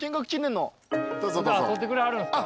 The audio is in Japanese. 撮ってくれはるんですか。